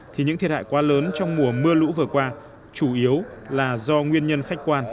thì những thiệt hại quá lớn trong mùa mưa lũ vừa qua chủ yếu là do nguyên nhân khách quan